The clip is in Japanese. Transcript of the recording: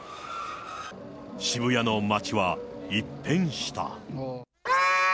渋谷の街は一変した。